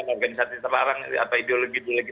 organisasi terlarang atau ideologi ideologi